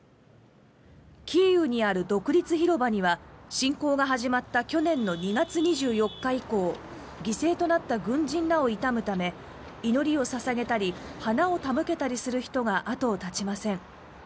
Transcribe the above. キーウにある独立広場には侵攻が始まった去年の２月２４日以降犠牲となった軍人らを悼むため祈りを捧げたり花を手向けたりする人が後を絶ちません。